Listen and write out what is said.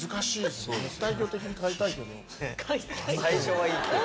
最初はいいけど。